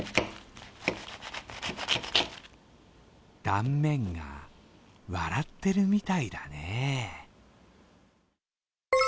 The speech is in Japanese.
断面が笑ってるみたいだね。